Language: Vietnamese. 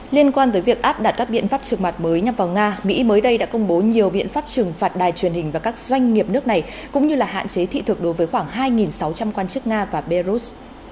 liên quan tới việc áp đặt các biện pháp trừng phạt mới nhằm vào nga mỹ mới đây đã công bố nhiều biện pháp trừng phạt đài truyền hình và các doanh nghiệp nước này cũng như là hạn chế thị thực đối với khoảng hai sáu trăm linh quan chức nga và belarus